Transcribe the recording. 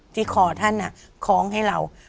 ที่คอท่านคล้องให้เรา